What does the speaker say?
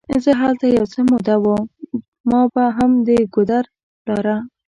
زه هلته یو څه موده وم، ما به هم د ګودر لاره.